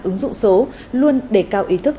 ứng dụng số luôn đề cao ý thức